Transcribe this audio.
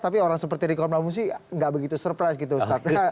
tapi orang seperti riko marbun sih gak begitu surprise gitu ustaz